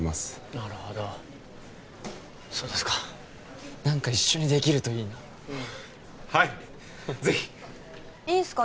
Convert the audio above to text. なるほどそうですか何か一緒にできるといいなうんはいぜひいいんすか？